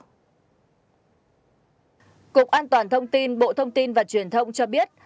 cục an toàn thông tin bộ thông tin và truyền thông cho biết